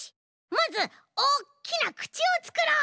まずおっきなくちをつくろう！